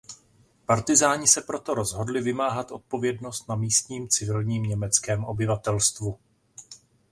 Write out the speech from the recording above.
Partyzáni se proto rozhodli vymáhat odpovědnost na místním civilním německém obyvatelstvu.